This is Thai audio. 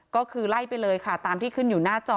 ก็คือไล่ไปเลยค่ะตามที่ขึ้นอยู่หน้าจอ